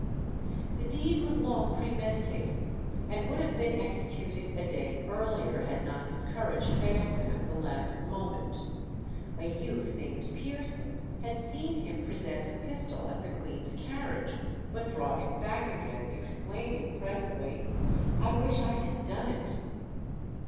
The deed was long premeditated, and would have been executed a day earlier had not his courage failed him at the last moment. A youth named Pearson had seen him present a pistol at the Queen's carriage, but draw it back again, exclaiming presently, "I wish I had done it."